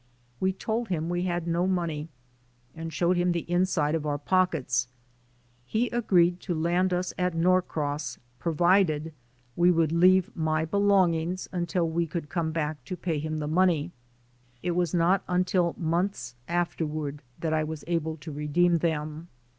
We told him we had no money and showed him the inside of our pockets. He agreed to land us at Norcross pro vided we would leave my belongings until we could come back to pay him the money. It was not un til months afterward that I was able to redeem them.